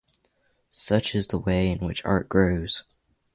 Such is the way in which art grows.